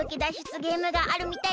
ゲームがあるみたいです！